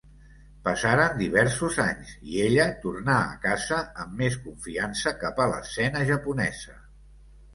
Passaren diversos anys, i ella tornà a casa, amb més confiança cap a l'escena japonesa.